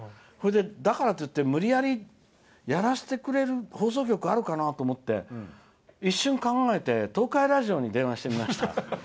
だからといって無理やりやらせてくれる放送局あるかな？と思って一瞬考えて東海ラジオに電話してみました。